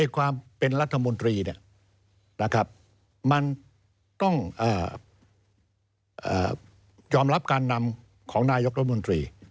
ความเป็นรัฐมนตรีมันต้องยอมรับการนำของนายกรัฐมนตรี